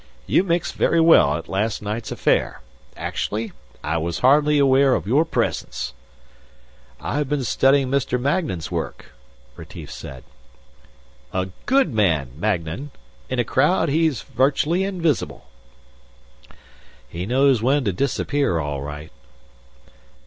"You mixed very well at last night's affair. Actually, I was hardly aware of your presence." "I've been studying Mr. Magnan's work," Retief said. "A good man, Magnan. In a crowd, he's virtually invisible." "He knows when to disappear all right."